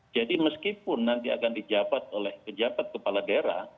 jadi meskipun nanti akan dijabat oleh penjabat kepala daerah